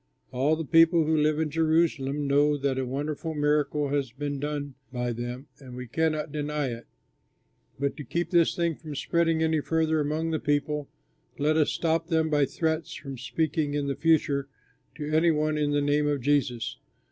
All the people who live in Jerusalem know that a wonderful miracle has been done by them, and we cannot deny it. But to keep this thing from spreading any farther among the people let us stop them by threats from speaking in the future to any one in the name of Jesus."